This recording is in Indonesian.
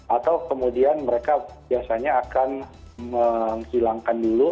atau kemudian mereka biasanya akan menghilangkan dulu